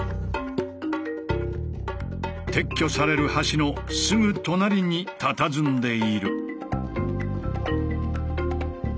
撤去される橋のすぐ隣にたたずんでいる。